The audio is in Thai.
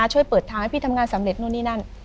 ช่วยเปิดทางให้พี่ทำงานสำเร็จนู่นนี่นั่น